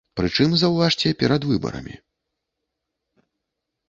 Прычым, заўважце, перад выбарамі.